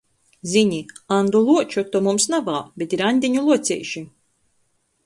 Zini — Andu luoču to mums navā, bet ir Aņdeņu luoceiši!